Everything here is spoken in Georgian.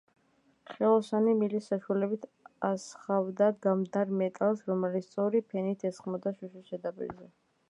ხელოსანი მილის საშუალებით ასხავდა გამდნარ მეტალს, რომელიც სწორი ფენით ესხმოდა შუშის ზედაპირზე.